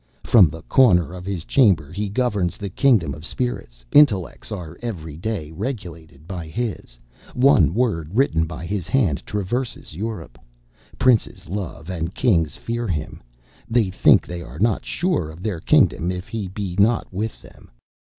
From the corner of his chamber, he governs the kingdom of spirits; intellects are every day regulated by his; one word written by his hand traverses Europe. Princes love, and kings fear him; they think they are not sure of their kingdom if he be not with them.